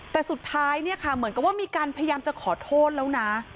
แต่สุดท้ายเนี่ยค่ะเหมือนกับว่ามีการพยายามจะขอโทษแล้วนะ